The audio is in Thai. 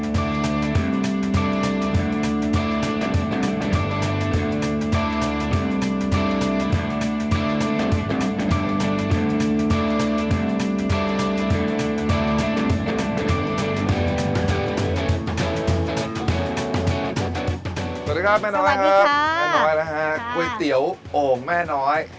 สวัสดีครับแม่น้อยนะคะก๋วยเตี๋ยวโอ่งแม่น้อย